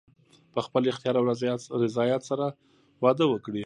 په خپل اختیار او رضایت سره واده وکړي.